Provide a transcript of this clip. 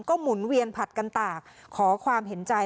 ก็หมุนเวียนผัดกันตากขอความเห็นใจ